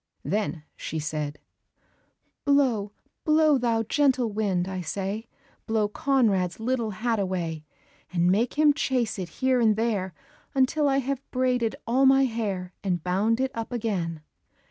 Then she said, "Blow, blow, thou gentle wind, I say, Blow Conrad's little hat away, And make him chase it here and there, Until I have braided all my hair, And bound it up again."